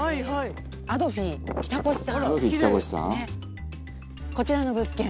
「アドフィ北越さん？」